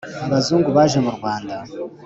Abazungu baje mu Rwanda